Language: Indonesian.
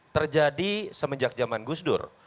terjadi semenjak zaman gusdur